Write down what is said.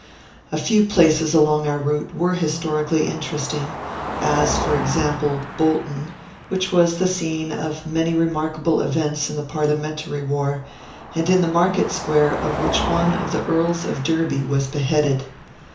A few places along our route were historically interesting; as, for example, Bolton, which was the scene of many remarkable events in the Parliamentary War, and in the market square of which one of the Earls of Derby was beheaded.